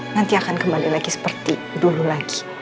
nanti akan kembali lagi seperti dulu lagi